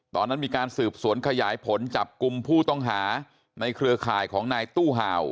ตอนนั้นมีการสืบสวนขยายผลจับกลุ่มผู้ต้องหาในเครือข่ายของนายตู้ห่าว